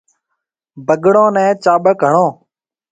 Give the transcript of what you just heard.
بگڙون نَي چاٻڪ هڻو۔